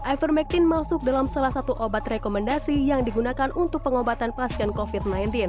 ivermectin masuk dalam salah satu obat rekomendasi yang digunakan untuk pengobatan pasien covid sembilan belas